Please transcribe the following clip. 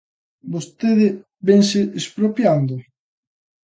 ¿Vostede vense expropiando?